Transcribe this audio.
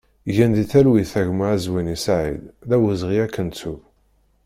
Gen di talwit a gma Azwani Saïd, d awezɣi ad k-nettu!